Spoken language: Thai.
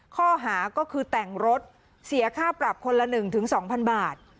ข้อหาก็คือแต่งรถเสียค่าปรับคนละ๑๒๐๐๐บาท